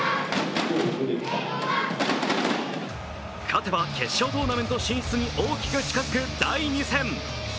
勝てば決勝トーナメント進出に大きく近づく第２戦。